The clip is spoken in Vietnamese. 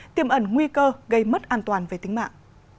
tiêm ẩn nguy cơ gây mất an toàn về tính mạng